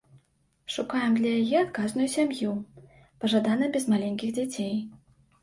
Шукаем для яе адказную сям'ю, пажадана без маленькіх дзяцей.